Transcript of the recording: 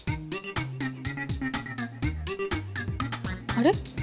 あれ？